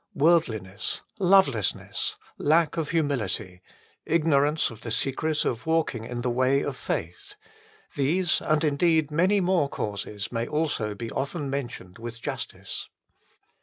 Woiidliness, lovelessness, lack of humility, ignorance of the secret of walking 04 HOW THE BLESSING IS HINDERED 65 in the way of faith these, and indeed many more causes, may also be often mentioned with justice.